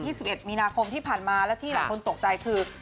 สิบเอ็ดมีนาคมที่ผ่านมาและที่หลายคนตกใจคือ